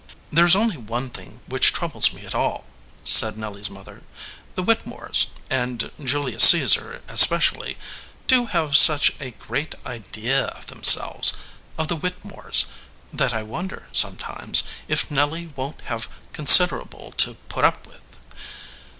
"There is only one thing which troubles me at all," said Nelly s mother. "The Whittemores, and Julius Caesar especially, do have such a great idea of themselves of the Whittemores that I won der, sometimes, if Nelly won t have considerable to put up with.